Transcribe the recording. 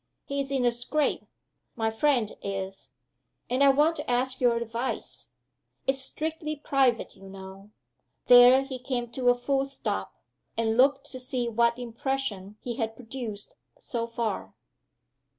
"He's in a scrape, my friend is. And I want to ask your advice. It's strictly private, you know." There he came to a full stop and looked to see what impression he had produced, so far.